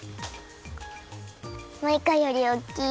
マイカよりおっきい！